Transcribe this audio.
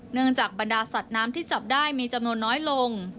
จากบรรดาสัตว์น้ำที่จับได้มีจำนวนน้อยลง